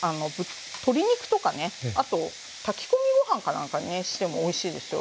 あと炊き込みご飯かなんかにねしてもおいしいですよ